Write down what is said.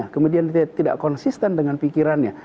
kemudian dia tidak konsisten dengan pikirannya